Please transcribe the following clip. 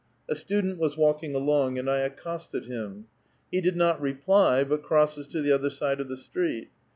A student was walking along, and I accosted him. He did not reply, but crosses to the other side of the street.